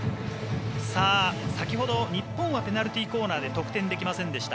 先ほど、日本はペナルティーコーナーで得点できませんでした。